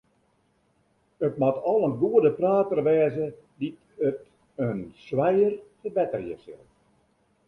It moat al in goede prater wêze dy't it in swijer ferbetterje sil.